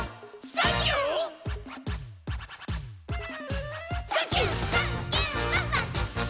「サンキュ！